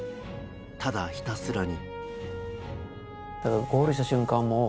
ただ、ひたすらに。